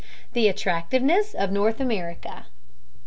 THE ATTRACTIVENESS OF NORTH AMERICA.